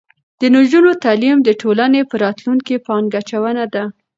د نجونو تعلیم د ټولنې په راتلونکي پانګه اچونه ده.